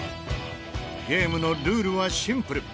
ゲームのルールはシンプル。